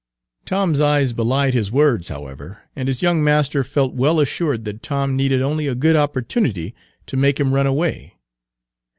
Tom's eyes belied his words, however, and his young master felt well assured that Tom needed only a good opportunity to make him run away.